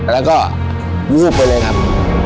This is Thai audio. แล้วก็วูบไปเลยครับ